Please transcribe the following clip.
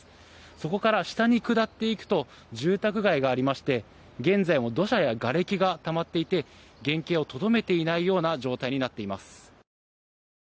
そこから下に下っていくと住宅街がありまして現在も土砂やがれきがたまっていて原形をとどめていないような状態になっています。